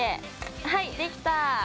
はいできた。